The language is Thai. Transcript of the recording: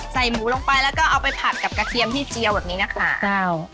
ใส่หมูลงไปแล้วก็เอาไปผัดกับกระเทียมที่เจียวแบบนี้นะคะอ้าว